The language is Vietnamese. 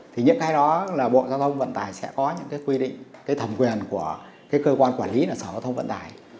thì những cái đó là bộ giao thông vận tải sẽ có những cái quy định cái thẩm quyền của cái cơ quan quản lý là sở giao thông vận tải